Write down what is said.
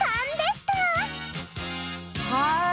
はい！